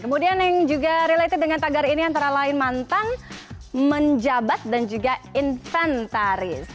kemudian yang juga related dengan tagar ini antara lain mantang menjabat dan juga inventaris